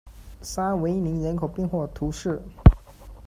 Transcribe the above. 沙维尼人口变化图示